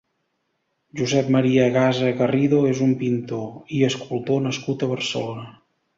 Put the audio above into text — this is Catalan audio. Josep Maria Gasa Garrido és un pintor i escultor nascut a Barcelona.